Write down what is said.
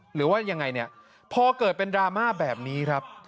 หรือว่ายังไงพอเกิดเป็นดราม่าแบบนี้